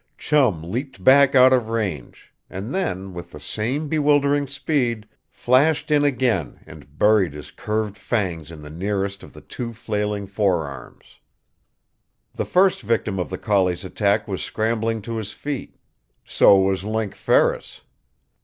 Chum leaped back out of range, and then, with the same bewildering speed, flashed in again and buried his curved fangs in the nearest of the two flailing forearms. The first victim of the collie's attack was scrambling to his feet. So was Link Ferris.